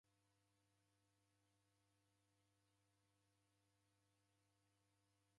Mashini ra idime riaw'iadedanya na w'andu